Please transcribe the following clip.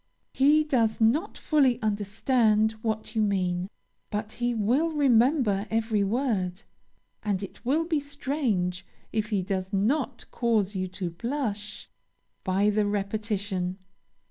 He does not fully understand what you mean, but he will remember every word; and it will be strange if he does not cause you to blush by the repetition.